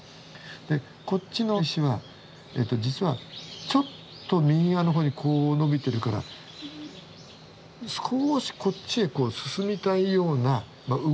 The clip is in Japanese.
でこっちの石は実はちょっと右側のほうにこうのびてるから少しこっちへ進みたいような動きがある。